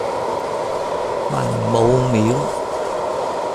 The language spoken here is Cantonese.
文武廟